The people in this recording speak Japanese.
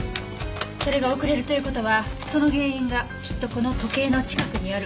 それが遅れるという事はその原因がきっとこの時計の近くにある。